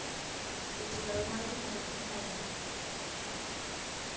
うちが産まれるのと引き換えに。